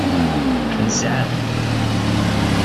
Nesɛa-t.